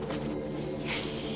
よし。